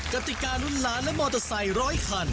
กติการุ่นล้านและมอเตอร์ไซค์ร้อยคัน